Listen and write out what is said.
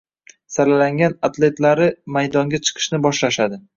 Saralangan atletlari maydonga chiqishni boshlashadi